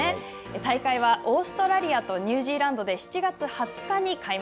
大会はオーストラリアとニュージーランドで７月２０日に開幕。